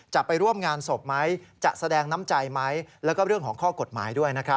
จะไปร่วมงานศพไหมจะแสดงน้ำใจไหมแล้วก็เรื่องของข้อกฎหมายด้วย